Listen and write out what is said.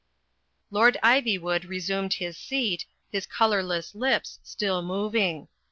Lord Ivywood resinned his seat, his colourless lips still moving.